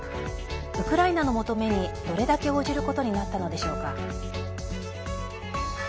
ウクライナの求めにどれだけ応じることになったのでしょうか。